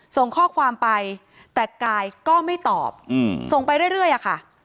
ส่งข้อความไปแต่กายก็ไม่ตอบส่งไปเรื่อยอะค่ะ